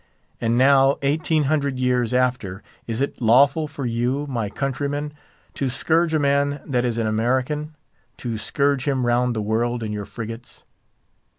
And now, eighteen hundred years after, is it lawful for you, my countrymen, to scourge a man that is an American? to scourge him round the world in your frigates?